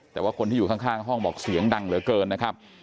แต่ว่าคนที่อยู่ข้างห้องบอกเสียงดังเหลือเกินนะครับ